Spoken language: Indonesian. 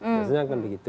biasanya akan begitu